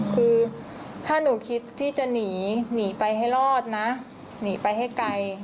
คือถ้าหนูคิดที่จะหนีหนีไปให้รอดนะหนีไปให้ไกล